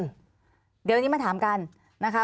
เดี๋ยวอันนี้มาถามกันนะคะ